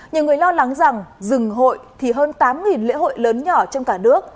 nhiều người lo lắng rằng dừng hội thì hơn tám lễ hội lớn nhỏ trong cả nước